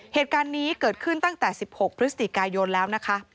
เหตุการณ์นี้เกิดขึ้นตั้งแต่๑๖พฤศจิกายนแล้วนะคะ